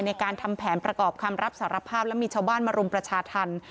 ในการทำแผนประกอบคำรับสารภาพและมีชาวบ้านมารุมประชาธรรม